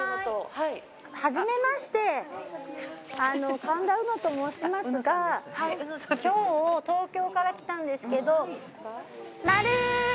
はじめまして神田うのと申しますが今日東京から来たんですけど。